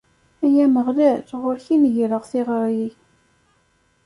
Ay Ameɣlal, ɣur-k i n-greɣ tiɣri!